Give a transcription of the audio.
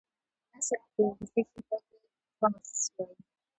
نثر ته په انګريزي ژبه کي Prose وايي.